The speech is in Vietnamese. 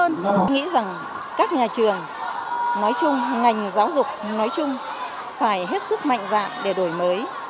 nhưng nghĩ rằng các nhà trường nói chung ngành giáo dục nói chung phải hết sức mạnh dạng để đổi mới